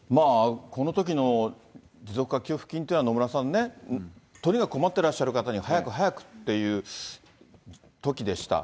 このときの持続化給付金というのは、野村さんね、とにかく困ってらっしゃる方に早く早くっていうときでした。